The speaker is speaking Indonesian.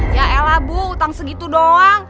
ya ela bu utang segitu doang